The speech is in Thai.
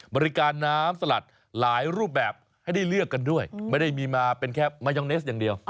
บริการน้ำสลัดหลายรูปแบบให้ได้เลือกกันด้วยไม่ได้มีมาเป็นแค่มายองเนสอย่างเดียว